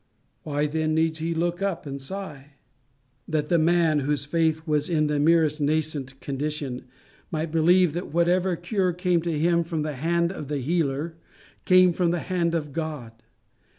Why then needs he look up and sigh? That the man, whose faith was in the merest nascent condition, might believe that whatever cure came to him from the hand of the healer, came from the hand of God.